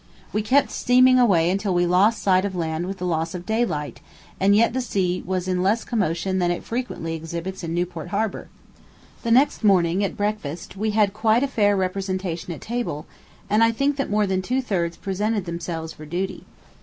We kept steaming away till we lost sight of land with the loss of daylight, and yet the sea was in less commotion than it frequently exhibits in Newport Harbor. The next morning, at breakfast, we had quite a fair representation at table, and I think more than two thirds presented themselves for duty.